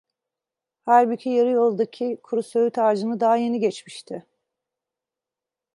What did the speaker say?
Halbuki yarı yoldaki kuru söğüt ağacını daha yeni geçmişti.